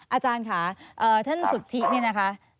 อาจารย์ค่ะท่านสุทธิเนี่ยนะคะ